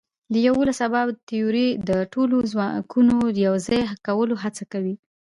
د یوولس ابعادو تیوري د ټولو ځواکونو یوځای کولو هڅه کوي.